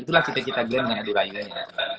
itulah cita cita glenn dengan adulayunya